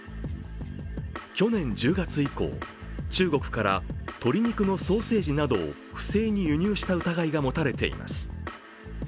去年１０月以降、中国から鶏肉のソーセージなど不正に輸入した疑いが持たれています。